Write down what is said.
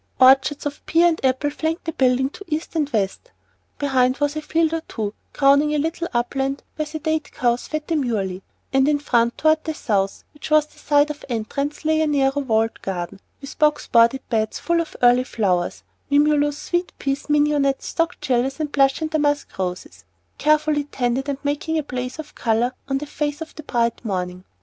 Orchards of pear and apple flanked the building to east and west. Behind was a field or two crowning a little upland where sedate cows fed demurely; and in front, toward the south, which was the side of entrance, lay a narrow walled garden, with box bordered beds full of early flowers, mimulus, sweet peas, mignonette, stock gillies, and blush and damask roses, carefully tended and making a blaze of color on the face of the bright morning.